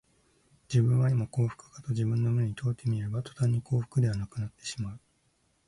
自分はいま幸福かと自分の胸に問うてみれば、とたんに幸福ではなくなってしまう